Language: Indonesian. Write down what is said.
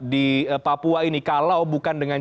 di papua ini kalau bukan dengan